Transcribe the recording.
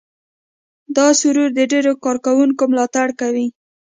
دا سرور د ډېرو کاروونکو ملاتړ کوي.